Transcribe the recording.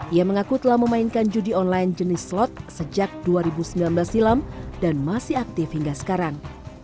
ia mengaku telah memainkan judi online jenis slot sejak dua ribu sembilan belas silam dan masih aktif hingga sekarang